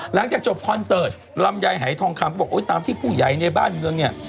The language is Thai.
หลังจากจบคอนเสิร์ตลำไยหายทองคำก็บอกตามที่ผู้ใหญ่ในบ้านเมืองเนี่ย